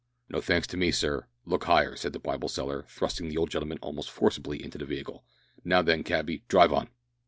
"No thanks to me, sir. Look higher," said the Bible seller, thrusting the old gentleman almost forcibly into the vehicle. "Now then, cabby, drive on."